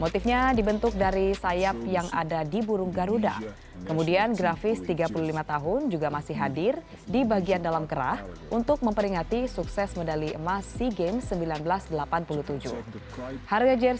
tandang timnas indonesia